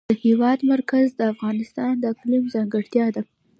د هېواد مرکز د افغانستان د اقلیم ځانګړتیا ده.